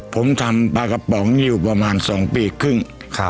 ผมทำปลากระป๋องอยู่ประมาณ๒ปีครึ่ง